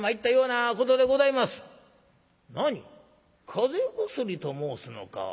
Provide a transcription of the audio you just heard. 風邪薬と申すのか。